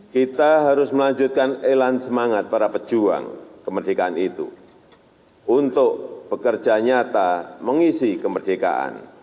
kita harus melanjutkan elan semangat para pejuang kemerdekaan itu untuk bekerja nyata mengisi kemerdekaan